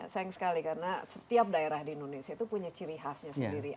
sayang sekali karena setiap daerah di indonesia itu punya ciri khasnya sendiri